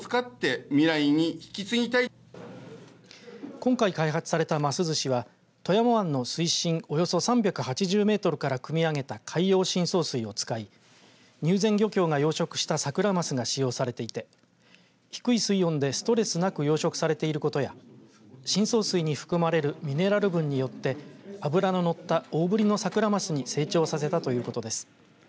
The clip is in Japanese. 今回、開発されたますずしは富山湾の水深およそ３８０メートルからくみ上げた海洋深層水を使い入善漁協が養殖したサクラマスが使用されていて低い水温でストレスなく養殖されていることや深層水に含まれるミネラル分によって脂ののった大ぶりのサクラマスに成長させたということです。